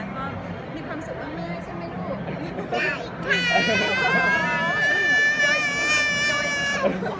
ก็มีความสุขมากใช่ไหมลูก